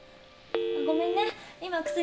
ごめんね今薬。